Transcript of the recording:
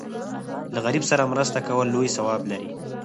له غریب سره مرسته کول لوی ثواب لري.